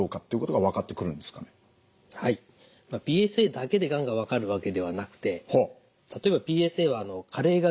ＰＳＡだけでがんが分かるわけではなくて例えばＰＳＡは加齢が原因でですね